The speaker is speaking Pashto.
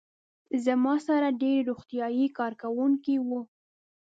زما سره ډېری روغتیايي کارکوونکي وو.